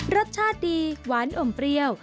รสชาติดีหวานอมเปรี้ยว